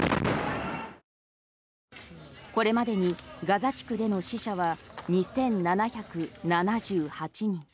これまでにガザ地区での死者は２７７８人。